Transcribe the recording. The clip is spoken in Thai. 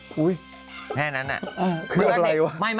แค่นั้นอะ